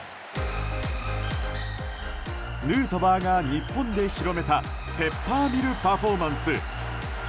ヌートバーが日本で広めたペッパーミルパフォーマンス。